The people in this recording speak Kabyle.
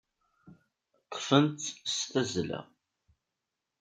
Ṭṭfen-tt s tazzla.